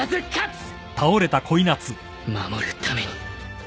守るために